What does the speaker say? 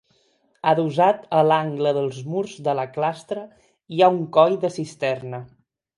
Adossat a l’angle dels murs de la clastra hi ha un coll de cisterna.